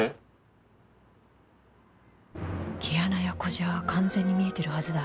「毛穴や小じわは完全に見えてるはずだ。